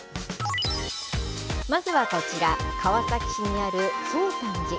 まずはこちら、川崎市にある宗三寺。